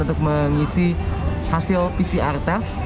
untuk mengisi hasil pcr test